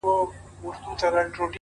چي ستا د سونډو د ربېښلو کيسه ختمه نه ده-